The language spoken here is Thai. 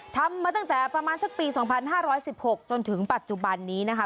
ทำมาตั้งแต่ประมาณสักปี๒๕๑๖จนถึงปัจจุบันนี้นะคะ